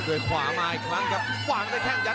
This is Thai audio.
โอ้โหดูสายตาของแกครับ